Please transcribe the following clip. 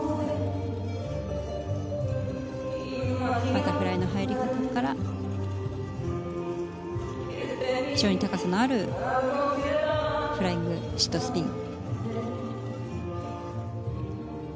バタフライの入り方から非常に高さのあるフライングシットスピン。